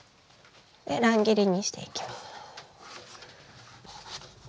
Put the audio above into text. で乱切りにしていきます。